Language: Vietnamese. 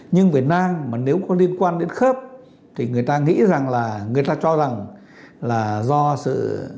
nhưng việt nam mà nếu có liên quan đến khớp thì người ta nghĩ rằng là người ta cho rằng là do sự